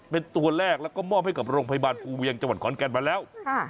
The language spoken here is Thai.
เป็นตัวแรกแล้วก็มอบให้กับโรงพยาบาลภูเวียงจังหวัดขอนแก่นมาแล้ว